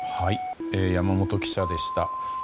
山本記者でした。